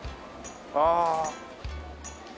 ああ。